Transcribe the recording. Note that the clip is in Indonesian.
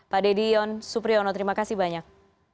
pak deddy ion supriyono terima kasih banyak